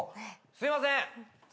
すいませーん！